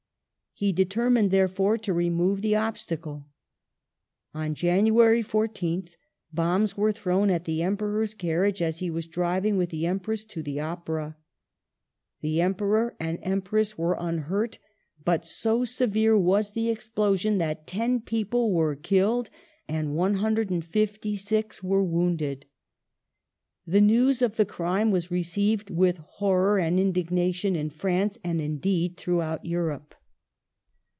He determined, therefore, to remove the obstacle. On January 14th bombs were thrown at the Emperor's carriage as he was driving with the Empress to the Opera. The Emperor and Empress were unhurt, but so severe was the explosion that 10 people were killed and 156 were wounded. The news of the crime was received with hori'or and indignation in France, and indeed throughout Europe.